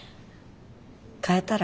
変えたら？